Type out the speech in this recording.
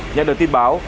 nhận được tin báo